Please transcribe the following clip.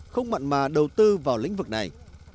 không mặn mà đầu tư vào lĩnh vực này